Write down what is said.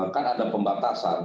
kan ada pembatasan